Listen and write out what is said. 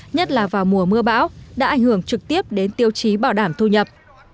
nhất là vào mùa mưa bão đã ảnh hưởng trực tiếp đến tiêu chí bảo đảm thu nhập